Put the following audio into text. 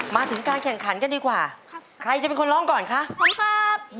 มาถึงการแข่งขันกันดีกว่าใครจะเป็นคนร้องก่อนคะ